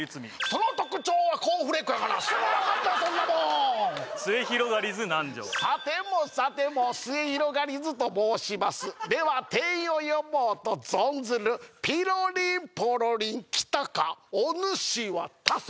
その特徴はコーンフレークやがなすぐ分かったわそんなもんすゑひろがりず南條さてもさてもすゑひろがりずと申しますでは店員を呼ぼうと存ずるピロリンポロリン来たかおぬしは誰そ？